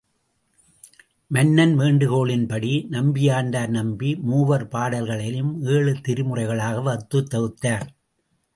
மன்னன் வேண்டுகோளின்படி, நம்பியாண்டார் நம்பி, மூவர் பாடல்களையும் ஏழு திருமுறைகளாக வகுத்துத் தொகுத்தார்.